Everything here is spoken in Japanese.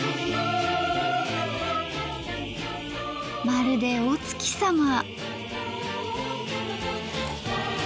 まるでお月さま！